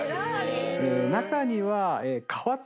中には。